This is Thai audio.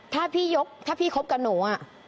ถ้าพี่ยกถ้าพี่คบกับหนู